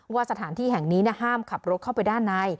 สถานที่แห่งนี้ห้ามขับรถเข้าไปด้านใน